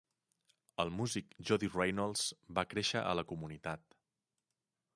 El músic Jody Reynolds va créixer a la comunitat.